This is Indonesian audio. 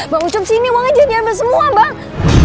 bang ucup sini uangnya jadinya bel semua bang